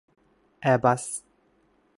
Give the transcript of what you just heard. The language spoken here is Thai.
แอร์บัส